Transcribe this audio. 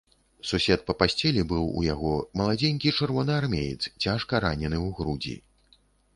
Сусед па пасцелі быў у яго маладзенькі чырвонаармеец, цяжка ранены ў грудзі.